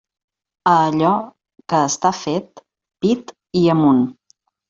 A allò que està fet, pit i amunt.